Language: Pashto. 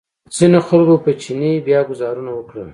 ځینو خلکو په چیني بیا ګوزارونه وکړل.